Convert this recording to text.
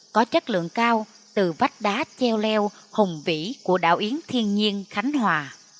có chất lượng cao từ vách đá treo leo hùng vĩ của đảo yến thiên nhiên khánh hòa